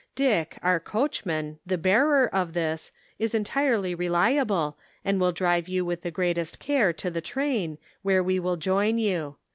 Dick, our coachman, the bearer of this, is entirely reliable, and will drive you with the greatest care to the train, where we will join you.